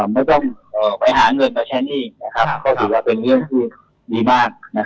ไม่ต้องไปหาเงินมาใช้หนี้ก็ถือว่าเป็นเรื่องที่ดีมาก